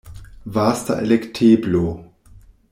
Vasta elekteblo.